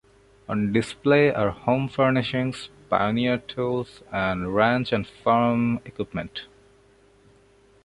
On display are home furnishings, pioneer tools, and ranch and farm equipment.